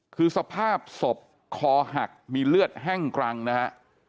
คือสภาพศพคอหักมีเลือดแห้งกรังนะฮะ